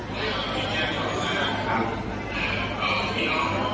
ขอโทษให้วิธีฟังทั้งใจ